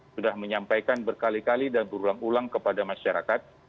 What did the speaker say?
sudah menyampaikan berkali kali dan berulang ulang kepada masyarakat